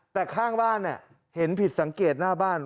แต่ข้างบ้านเห็นผิดสังเกตหน้าบ้าน